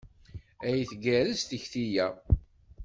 Ay tgerrez tekti-a!